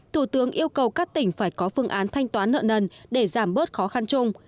thủ tướng yêu cầu các tỉnh phải có phương án thanh toán nợ nần để giảm bớt khó khăn chung